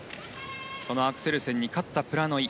そのアクセル戦に勝ったプラノイ。